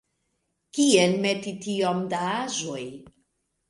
Kien meti tiom da aĵoj?